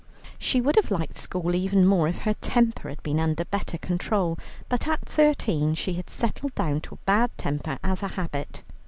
She would have liked school even more if her temper had been under better control. But at thirteen she had settled down to bad temper as a habit.